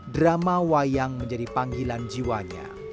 drama wayang menjadi panggilan jiwanya